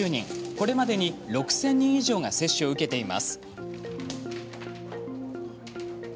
これまでに６０００人以上が接種を受けています。